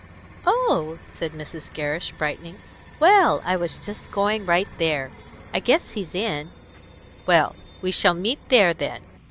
"Oh!" said Mrs. Gerrish, brightening. "Well, I was just going right there. I guess he's in." "Well, we shall meet there, then.